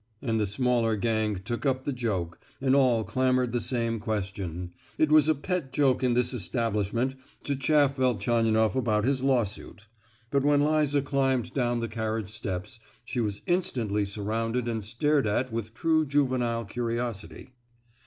and the smaller gang took up the joke, and all clamoured the same question: it was a pet joke in this establishment to chaff Velchaninoff about his lawsuit. But when Liza climbed down the carriage steps, she was instantly surrounded and stared at with true juvenile curiosity.